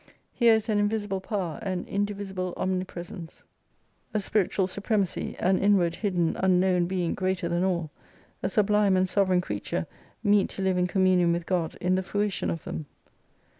Here is an invisible power, an indivisible omnipresence, a spiritual supremacy, an inward, hidden, unknown being greater than all, a sublime and sovereign creature meet to hve m communion with God, in the fruition of them.